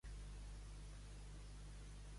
Qui guanyarà la fingida batalla?